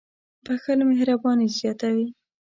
• بښل مهرباني زیاتوي.